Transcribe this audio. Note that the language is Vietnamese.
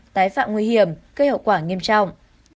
tái phạm nguy hiểm gây hậu quả nghiêm trọng